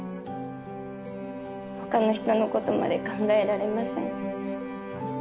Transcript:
他の人のことまで考えられません。